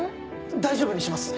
大丈夫にします